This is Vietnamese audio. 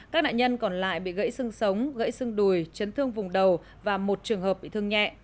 các nạn nhân còn lại bị gãy xương sống gãy xương đùi chấn thương vùng đầu và một trường hợp bị thương nhẹ